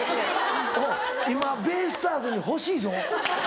今ベイスターズに欲しいぞ。